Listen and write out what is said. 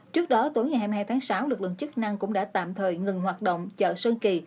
trước đó tối ngày hai mươi hai tháng sáu lực lượng chức năng cũng đã tạm thời ngừng hoạt động chợ sơn kỳ